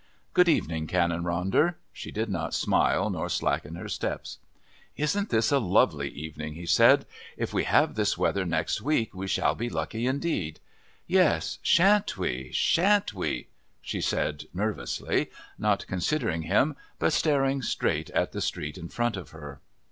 "Good evening, Canon Ronder." She did not smile nor slacken her steps. "Isn't this a lovely evening?" he said. "If we have this weather next week we shall be lucky indeed." "Yes, shan't we shan't we?" she said nervously, not considering him, but staring straight at the street in front of her.